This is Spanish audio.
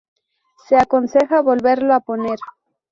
Se aconseja volverlo a poner.